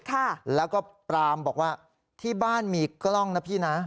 ค่ะแล้วก็ปรามบอกว่าที่บ้านมีกล้องนะพี่นะ